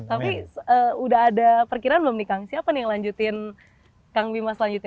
tapi sudah ada perkiraan belum nih kang siapa nih yang lanjutin kang bima selanjutnya